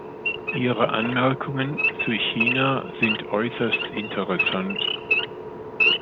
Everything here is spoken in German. Ihre Anmerkungen zu China sind äußerst interessant.